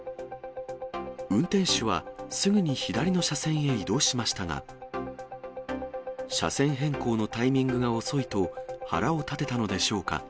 運転手はすぐに左の車線へ移動しましたが、車線変更のタイミングが遅いと、腹を立てたのでしょうか。